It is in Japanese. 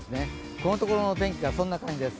このところの天気はそんな感じです。